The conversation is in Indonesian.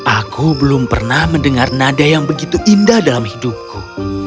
aku belum pernah mendengar nada yang begitu indah dalam hidupku